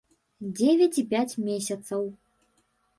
Дзевяць і пяць месяцаў.